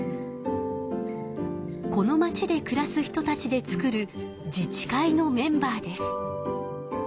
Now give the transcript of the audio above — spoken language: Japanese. このまちでくらす人たちで作る自治会のメンバーです。